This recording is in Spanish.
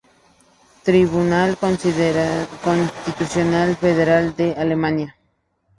Tribunal Constitucional federal de Alemania